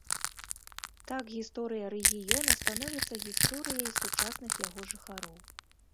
Так гісторыя рэгіёна становіцца гісторыяй сучасных яго жыхароў.